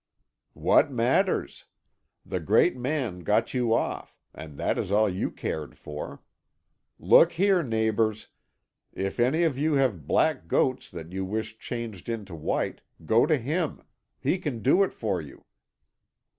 "What matters? The great man got you off, and that is all you cared for. Look here, neighbours; if any of you have black goats that you wish changed into white, go to him; he can do it for you.